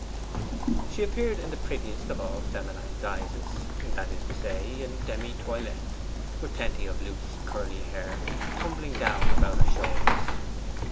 She appeared in the prettiest of all feminine guises, that is to say, in demi toilette, with plenty of loose curly hair tumbling down about her shoulders.